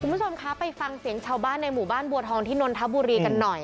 คุณผู้ชมคะไปฟังเสียงชาวบ้านในหมู่บ้านบัวทองที่นนทบุรีกันหน่อย